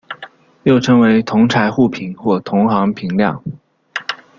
又称为同侪互评或同行评量。